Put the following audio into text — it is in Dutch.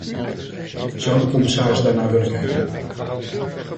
Zou de commissaris daarnaar willen kijken?